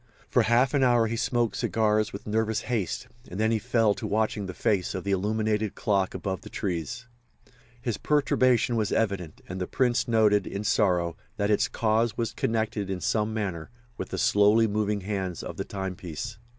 For half an hour he smoked cigars with nervous haste, and then he fell to watching the face of the illuminated clock above the trees. His perturbation was evident, and the Prince noted, in sorrow, that its cause was connected, in some manner, with the slowly moving hands of the timepiece.